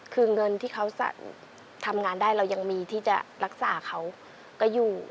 คือเงินที่เขาทำงานได้เรายังมีที่จะรักษาเขาก็อยู่